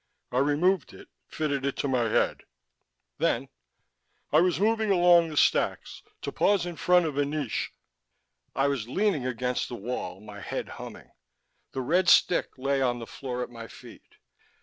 I removed it, fitted it to my head (Then:) I was moving along the stacks, to pause in front of a niche_ I was leaning against the wall, my head humming. The red stick lay on the floor at my feet.